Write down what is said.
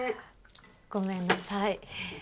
ごめんなさい。